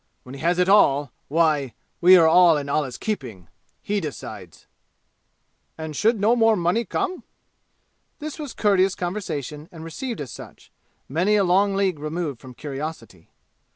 When he has it all why we are all in Allah's keeping He decides!" "And should no more money come?" This was courteous conversation and received as such many a long league removed from curiosity.